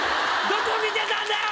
どこ見てたんだよ！